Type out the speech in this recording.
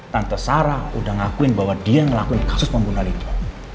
tante sarah udah ngakuin bahwa dia ngelakuin kasus pembunuhan itu